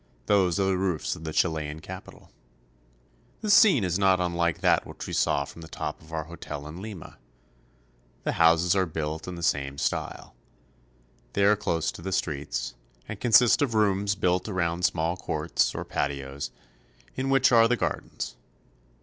Those are the roofs of the Chilean capital. The scene is not unlike that we saw from the top of our hotel in Lima. The houses are built in the same style. They are close to the streets, and consist of rooms built around small courts, or patios, in which are the gardens.